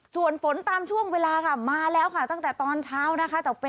ส่วนฝนตามช่วงเวลาค่ะมาแล้วค่ะตั้งแต่ตอนเช้านะคะ